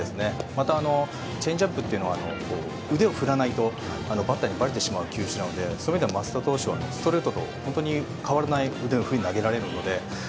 また、チェンジアップというのは腕を振らないとバッターにばれてしまう球種なのでそういう意味では増田投手はストレートと変わらない腕の振りで投げられるので。